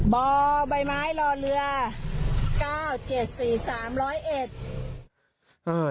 บ่อใบไม้รอเรือ